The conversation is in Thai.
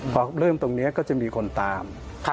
พอเริ่มตรงนี้ก็จะมีคนตาม